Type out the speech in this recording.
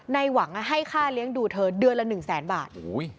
หวังให้ค่าเลี้ยงดูเธอเดือนละ๑แสนบาท